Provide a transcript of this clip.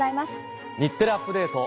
『日テレアップＤａｔｅ！』